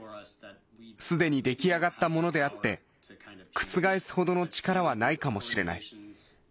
既に出来上がったものであって覆すほどの力はないかもしれない。